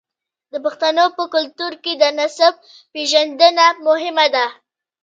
د پښتنو په کلتور کې د نسب پیژندنه مهمه ده.